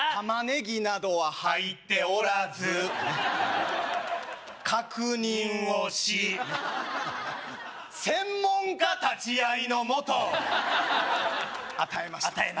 玉ねぎなどは入っておらず確認をし専門家立ち会いのもと与えました